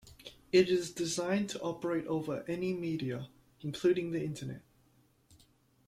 It is designed to operate over any media, including the Internet.